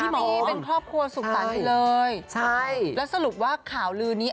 เขาแทบพี่เป็นครอบครัวสุขตันอยู่เลยแล้วสรุปว่าข่าวลือนี้